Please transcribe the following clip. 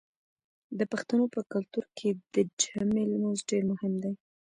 د پښتنو په کلتور کې د جمعې لمونځ ډیر مهم دی.